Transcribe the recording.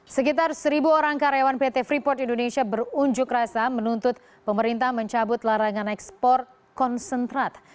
sekitar seribu orang karyawan pt freeport indonesia berunjuk rasa menuntut pemerintah mencabut larangan ekspor konsentrat